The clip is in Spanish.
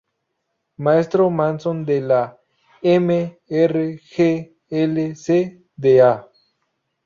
Maestro Masón de la M:.R:.G:.L:.C de A:.